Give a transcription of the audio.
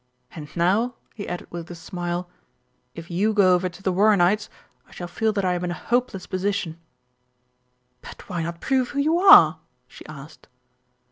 "And now," he added with a smile, "if you go over to the Warrenites, I shall feel that I am in a hopeless position." "But why not prove who you are?" she asked.